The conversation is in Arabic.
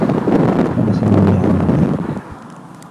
كان سامي يعلم ذلك.